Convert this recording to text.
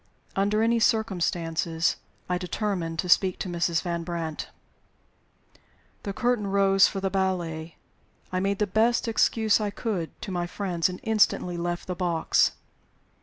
Under any circumstances, I determined to speak to Mrs. Van Brandt. The curtain rose for the ballet. I made the best excuse I could to my friends, and instantly left the box.